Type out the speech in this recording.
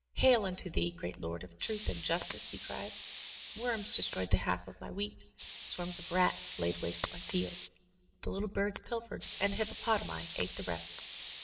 Hail unto thee, great Lord of Truth and Justice!*' he cried. "Worms destroyed the half of my wheat, swarms of rats laid waste my fields, the little birds pilfered, and the hippopotami ate the rest.